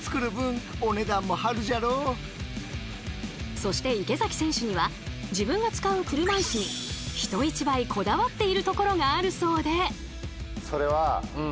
そして池崎選手には自分が使う車いすに人一倍こだわっているところがあるそうで。